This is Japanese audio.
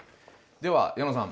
では矢野さん。